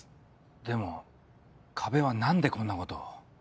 でも加部は何でこんなことを。